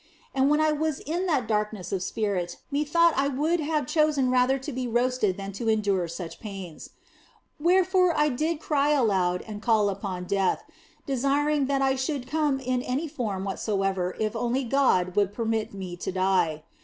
And when I was in that darkness of spirit methought I would have chosen rather to be roasted than to endure such pains. Wherefore did I cry aloud and call upon death, desiring that it should come in any form whatso ever if only God would permit me to die.